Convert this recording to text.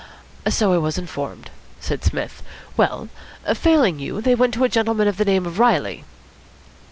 '" "So I was informed," said Psmith. "Well, failing you, they went to a gentleman of the name of Reilly."